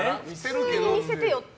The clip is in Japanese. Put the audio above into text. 普通に似せてよって。